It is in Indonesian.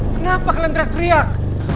kenapa kalian teriak teriak